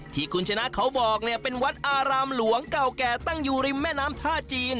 ที่คุณชนะเขาบอกเนี่ยเป็นวัดอารามหลวงเก่าแก่ตั้งอยู่ริมแม่น้ำท่าจีน